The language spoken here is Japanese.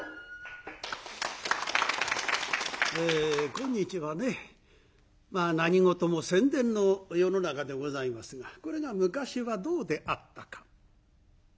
今日はね何事も宣伝の世の中でございますがこれが昔はどうであったか。